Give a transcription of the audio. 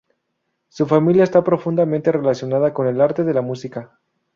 Su familia está profundamente relacionada con el arte de la música.